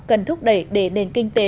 cần thúc đẩy để nền kinh tế